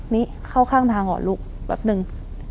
นิเข้าข้างทางเหรอลูกแปปนึง